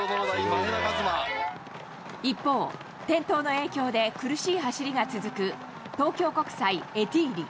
一方、転倒の影響で苦しい走りが続く東京国際、エティーリ。